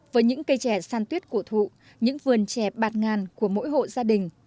với những cây trè san tuyết của thụ những vườn trè bạt ngàn của mỗi hộ gia đình